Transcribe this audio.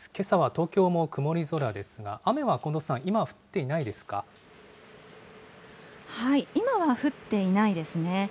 けさは、東京も曇り空ですが今は降っていないですね。